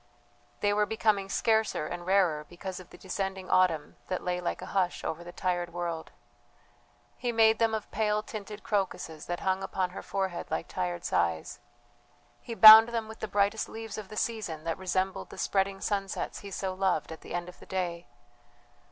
They were becoming scarcer and rarer because of the descending autumn that lay like a hush over the tired world. He made them of pale tinted crocuses that hung upon her forehead like tired sighs he bound them with the brightest leaves of the season that resembled the spreading sunsets he so loved at the end of the day.